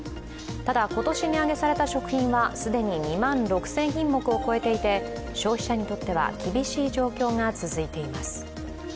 ただ、今年値上げされた食品は既に２万６０００品目を超えていて消費者にとっては厳しい状況が続いています。